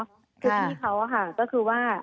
คือพี่เขาค่ะก็คือว่า